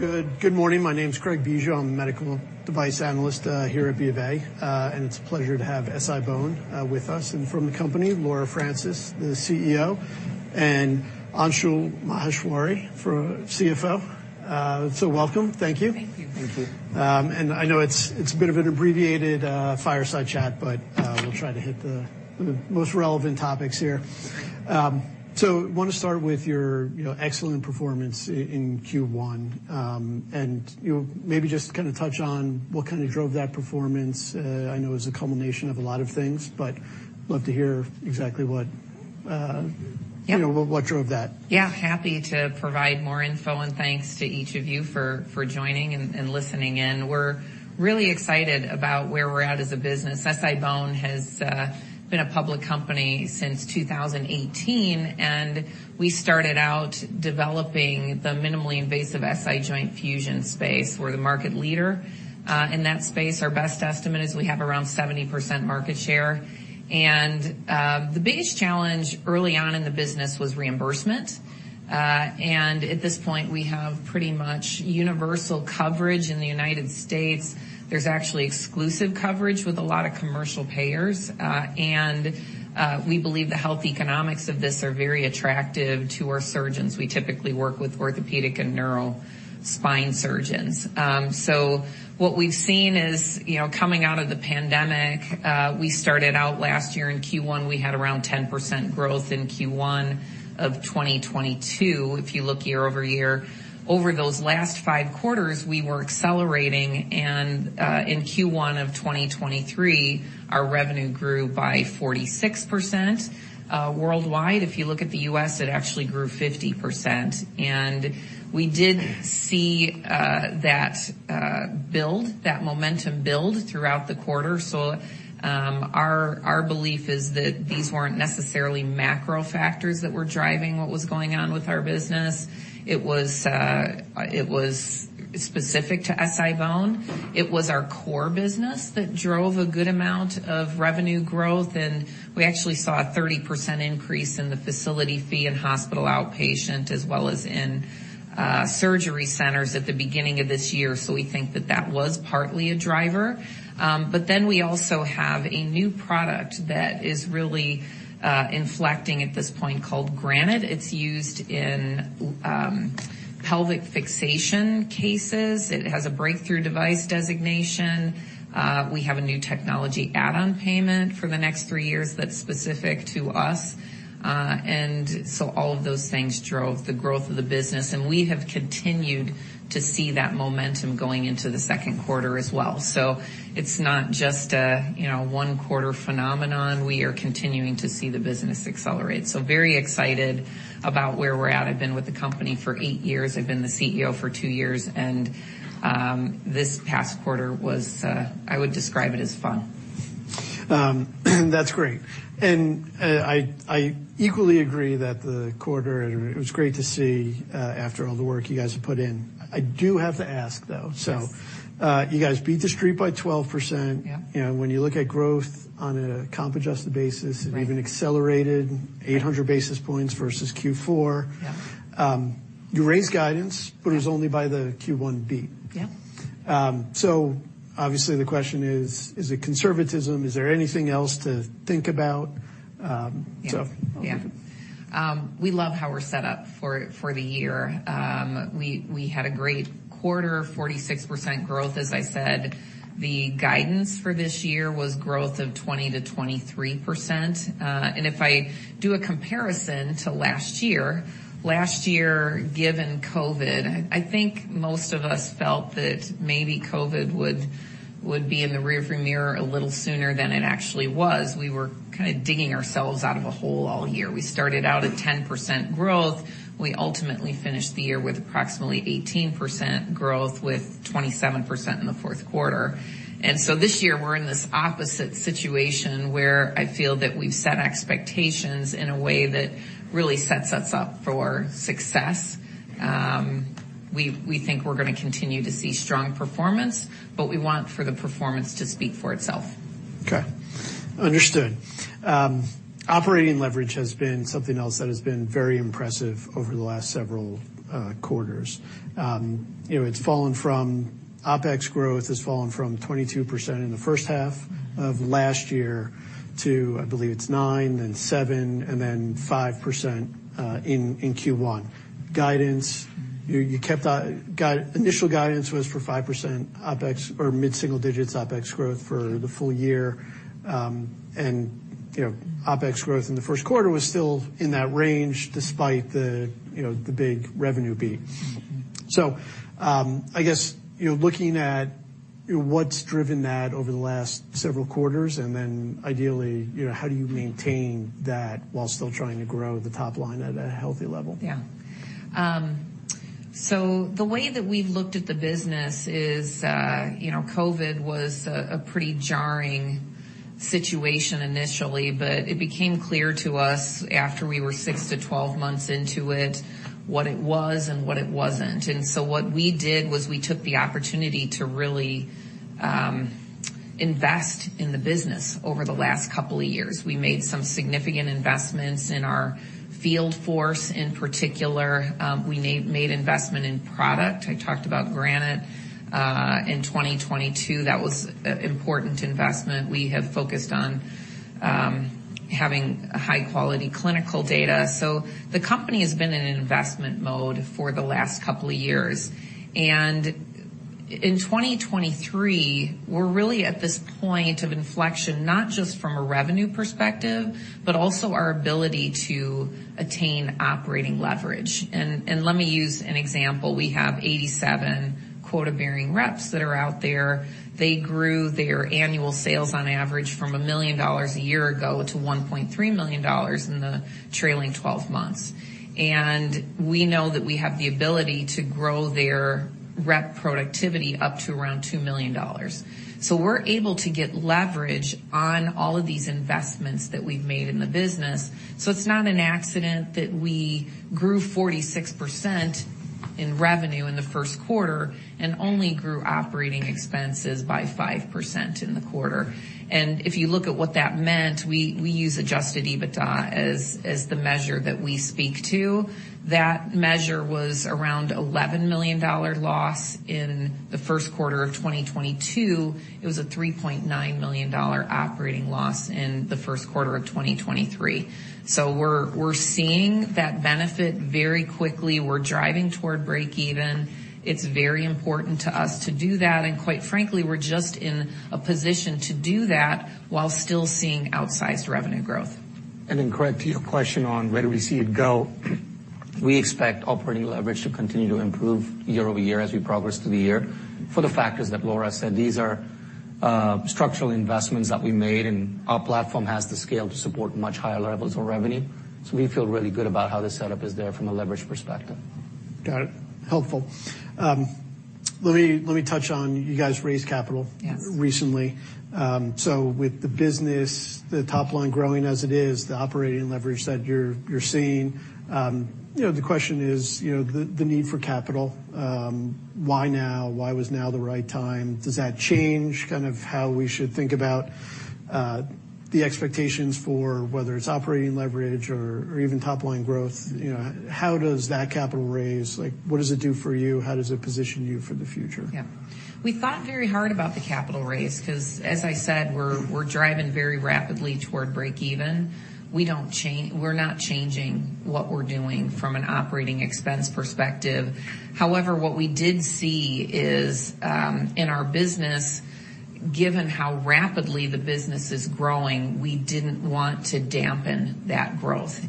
Good morning. My name's Craig Bijou, I'm the medical device analyst here at BofA. It's a pleasure to have SI-BONE with us, and from the company, Laura Francis, the CEO, and Anshul Maheshwari for CFO. Welcome. Thank you. Thank you. Thank you. I know it's a bit of an abbreviated fireside chat, but we'll try to hit the most relevant topics here. Wanna start with your, you know, excellent performance in Q1. You know, maybe just kinda touch on what kinda drove that performance. I know it was a culmination of a lot of things, but love to hear exactly what. Yeah. You know, what drove that? Happy to provide more info. Thanks to each of you for joining and listening in. We're really excited about where we're at as a business. SI-BONE has been a public company since 2018. We started out developing the minimally invasive SI joint fusion space. We're the market leader in that space. Our best estimate is we have around 70% market share. The biggest challenge early on in the business was reimbursement. At this point, we have pretty much universal coverage in the United States. There's actually exclusive coverage with a lot of commercial payers, and we believe the health economics of this are very attractive to our surgeons. We typically work with orthopedic and neuro spine surgeons. What we've seen is, you know, coming out of the pandemic, we started out last year in Q1, we had around 10% growth in Q1 of 2022. If you look year-over-year, over those last five quarters, we were accelerating, in Q1 of 2023, our revenue grew by 46% worldwide. If you look at the U.S., it actually grew 50%. We did see that momentum build throughout the quarter. Our belief is that these weren't necessarily macro factors that were driving what was going on with our business. It was specific to SI-BONE. It was our core business that drove a good amount of revenue growth. We actually saw a 30% increase in the facility fee in hospital outpatient, as well as in surgery centers at the beginning of this year. We think that that was partly a driver. We also have a new product that is really inflecting at this point called Granite. It's used in pelvic fixation cases. It has a Breakthrough Device Designation. We have a New Technology Add-on Payment for the next three years that's specific to us. All of those things drove the growth of the business. We have continued to see that momentum going into the second quarter as well. It's not just a, you know, one-quarter phenomenon. We are continuing to see the business accelerate. Very excited about where we're at. I've been with the company for eight years. I've been the CEO for two years and, this past quarter was, I would describe it as fun. That's great. I equally agree that the quarter, it was great to see, after all the work you guys have put in. I do have to ask, though. Yes. You guys beat the street by 12%. Yeah. You know, when you look at growth on a comp-adjusted basis. Right. It even accelerated 800 basis points versus Q4. Yeah. you raised guidance- Yeah. It was only by the Q1 beat. Yeah. Obviously the question is it conservatism? Is there anything else to think about? so. Yeah. Yeah. We love how we're set up for the year. We had a great quarter, 46% growth, as I said. The guidance for this year was growth of 20%-23%. If I do a comparison to last year, last year, given COVID, I think most of us felt that maybe COVID would be in the rearview mirror a little sooner than it actually was. We were kind of digging ourselves out of a hole all year. We started out at 10% growth. We ultimately finished the year with approximately 18% growth, with 27% in the fourth quarter. This year we're in this opposite situation where I feel that we've set expectations in a way that really sets us up for success. We think we're gonna continue to see strong performance. We want for the performance to speak for itself. Okay. Understood. Operating leverage has been something else that has been very impressive over the last several quarters. You know, OpEx growth has fallen from 22% in the first half of last year to, I believe it's 9%, then 7%, and then 5% in Q1. Guidance, you kept up, Initial guidance was for 5% OpEx or mid-single digits OpEx growth for the full year. You know, OpEx growth in the first quarter was still in that range despite the, you know, the big revenue beat. Mm-hmm. I guess, you know, looking at what's driven that over the last several quarters and then ideally, you know, how do you maintain that while still trying to grow the top line at a healthy level? Yeah. So the way that we've looked at the business is, you know, COVID was a pretty jarring situation initially, but it became clear to us after we were 6-12 months into it, what it was and what it wasn't. What we did was we took the opportunity to really invest in the business over the last couple of years. We made some significant investments in our field force in particular, we made investment in product. I talked about Granite in 2022. That was an important investment. We have focused on having high quality clinical data. The company has been in investment mode for the last couple of years. In 2023, we're really at this point of inflection, not just from a revenue perspective, but also our ability to attain operating leverage. Let me use an example. We have 87 quota-bearing reps that are out there. They grew their annual sales on average from $1 million a year ago, to $1.3 million in the trailing 12 months. We know that we have the ability to grow their rep productivity up to around $2 million. We're able to get leverage on all of these investments that we've made in the business. It's not an accident that we grew 46% in revenue in the first quarter and only grew operating expenses by 5% in the quarter. If you look at what that meant, we use adjusted EBITDA as the measure that we speak to. That measure was around $11 million loss in the first quarter of 2022. It was a $3.9 million operating loss in the first quarter of 2023. We're seeing that benefit very quickly. We're driving toward break-even. It's very important to us to do that, and quite frankly, we're just in a position to do that while still seeing outsized revenue growth. Craig, to your question on where do we see it go? We expect operating leverage to continue to improve year-over-year as we progress through the year for the factors that Laura said. These are structural investments that we made, and our platform has the scale to support much higher levels of revenue. We feel really good about how this setup is there from a leverage perspective. Got it. Helpful. Let me touch on you guys raised capital. Yes. Recently. With the business, the top line growing as it is, the operating leverage that you're seeing, you know, the question is, you know, the need for capital, why now? Why was now the right time? Does that change kind of how we should think about, the expectations for whether it's operating leverage or even top-line growth? You know, how does that capital raise? Like, what does it do for you? How does it position you for the future? Yeah. We thought very hard about the capital raise 'cause as I said, we're driving very rapidly toward break even. We're not changing what we're doing from an operating expense perspective. However, what we did see is, in our business, given how rapidly the business is growing, we didn't want to dampen that growth.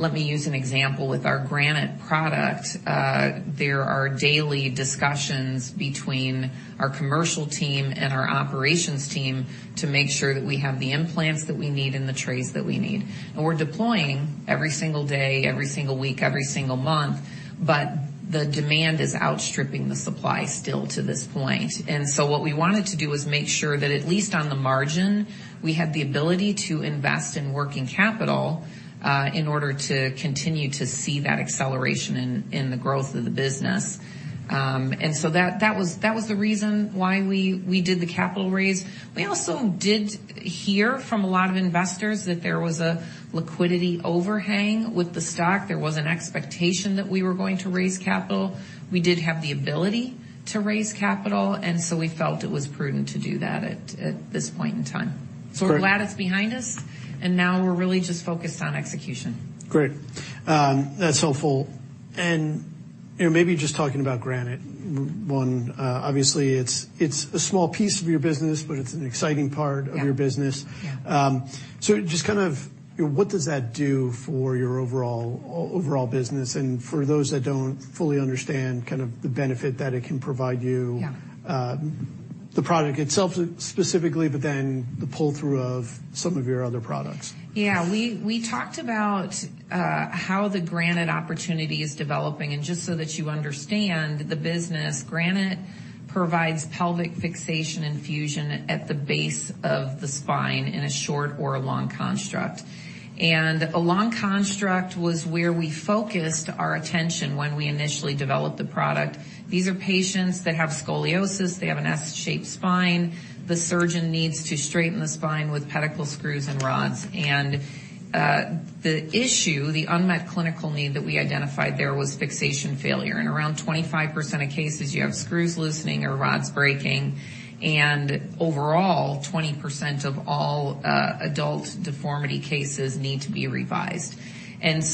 Let me use an example with our Granite product. There are daily discussions between our commercial team and our operations team to make sure that we have the implants that we need and the trays that we need. We're deploying every single day, every single week, every single month, but the demand is outstripping the supply still to this point. What we wanted to do was make sure that at least on the margin, we had the ability to invest in working capital in order to continue to see that acceleration in the growth of the business. That, that was, that was the reason why we did the capital raise. We also did hear from a lot of investors that there was a liquidity overhang with the stock. There was an expectation that we were going to raise capital. We did have the ability to raise capital, and so we felt it was prudent to do that at this point in time. Great. We're glad it's behind us, and now we're really just focused on execution. Great. That's helpful. You know, maybe just talking about Granite. One, obviously it's a small piece of your business, but it's an exciting part of your business. Yeah. Yeah. Just kind of, you know, what does that do for your overall business and for those that don't fully understand kind of the benefit that it can provide you? Yeah. The product itself specifically, but then the pull-through of some of your other products. We talked about how the Granite opportunity is developing. Just so that you understand the business, Granite provides pelvic fixation and fusion at the base of the spine in a short or a long construct. A long construct was where we focused our attention when we initially developed the product. These are patients that have scoliosis. They have an S-shaped spine. The surgeon needs to straighten the spine with pedicle screws and rods. The issue, the unmet clinical need that we identified there was fixation failure. In around 25% of cases, you have screws loosening or rods breaking. Overall, 20% of all adult deformity cases need to be revised.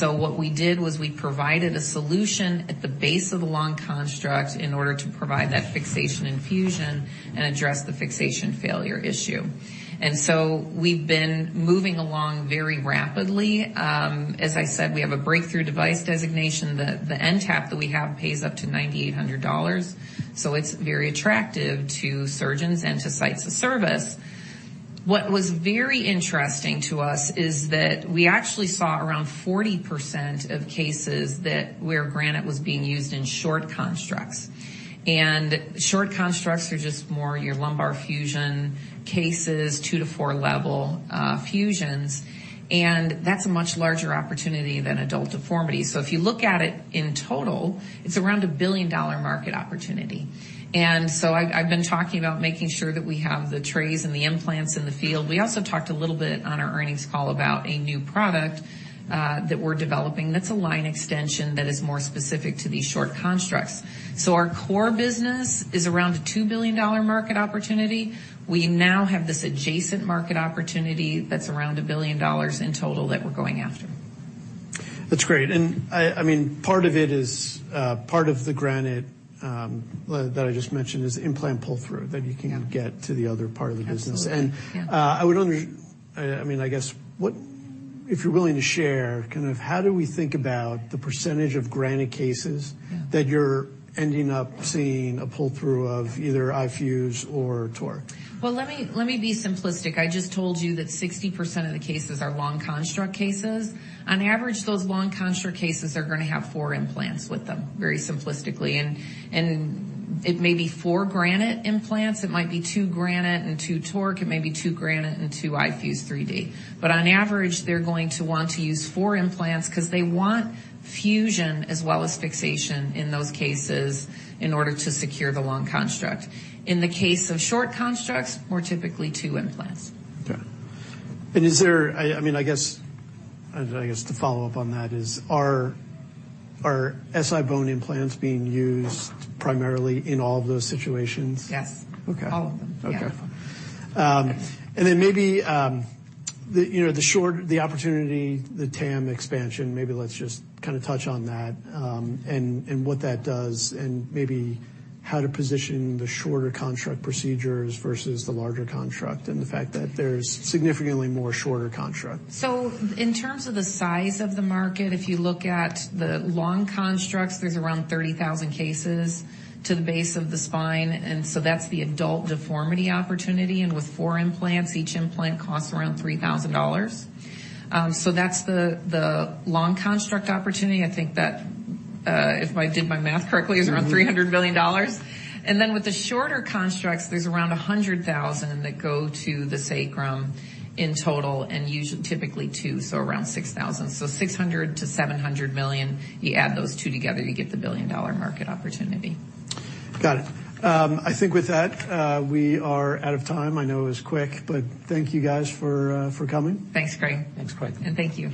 What we did was we provided a solution at the base of the long construct in order to provide that fixation and fusion and address the fixation failure issue. We've been moving along very rapidly. As I said, we have a Breakthrough Device Designation. The NTAP that we have pays up to $9,800, so it's very attractive to surgeons and to sites of service. What was very interesting to us is that we actually saw around 40% of cases that where Granite was being used in short constructs. Short constructs are just more your lumbar fusion cases, two to four level fusions. That's a much larger opportunity than adult deformity. If you look at it in total, it's around a $1 billion market opportunity. I've been talking about making sure that we have the trays and the implants in the field. We also talked a little bit on our earnings call about a new product that we're developing that's a line extension that is more specific to these short constructs. Our core business is around a $2 billion market opportunity. We now have this adjacent market opportunity that's around a $1 billion in total that we're going after. That's great. I mean, part of it is, part of the Granite, that I just mentioned is the implant pull-through that you can get to the other part of the business. Absolutely. Yeah. If you're willing to share, kind of how do we think about the percentage of Granite cases? Yeah. -that you're ending up seeing a pull-through of either iFuse or TORQ? Well, let me be simplistic. I just told you that 60% of the cases are long construct cases. On average, those long construct cases are gonna have four implants with them, very simplistically. It may be four Granite implants, it might be two Granite and two TORQ, it may be two Granite and two iFuse 3D. On average, they're going to want to use four implants 'cause they want fusion as well as fixation in those cases in order to secure the long construct. In the case of short constructs, more typically two implants. Okay. Is there I mean, I guess, I don't know, I guess to follow up on that is are SI-BONE implants being used primarily in all of those situations? Yes. Okay. All of them. Okay. Yeah. Maybe, the, you know, the opportunity, the TAM expansion, maybe let's just kinda touch on that, and what that does and maybe how to position the shorter construct procedures versus the larger construct and the fact that there's significantly more shorter constructs. In terms of the size of the market, if you look at the long constructs, there's around 30,000 cases to the base of the spine, that's the adult deformity opportunity. With four implants, each implant costs around $3,000. That's the long construct opportunity. I think that, if I did my math correctly, is around $300 million. With the shorter constructs, there's around 100,000 that go to the sacrum in total and typically two, around 6,000. $600 million-$700 million. You add those two together, you get the billion-dollar market opportunity. Got it. I think with that, we are out of time. I know it was quick, but thank you guys for coming. Thanks, Craig. Thanks, Craig. Thank you.